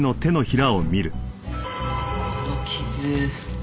この傷。